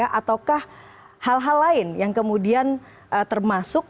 ataukah hal hal lain yang kemudian termasuk